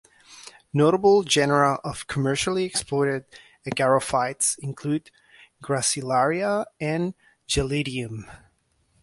Notable genera of commercially exploited agarophytes include "Gracilaria" and "Gelidium".